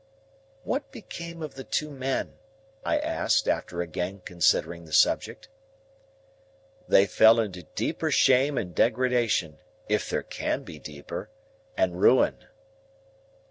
"What became of the two men?" I asked, after again considering the subject. "They fell into deeper shame and degradation—if there can be deeper—and ruin."